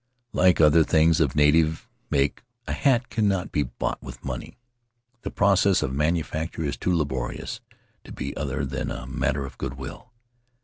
Like other things of native make, a hat cannot be bought with money; the process of manufacture is too laborious to be other than a matter of good will.